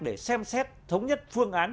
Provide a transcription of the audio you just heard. để xem xét thống nhất phương án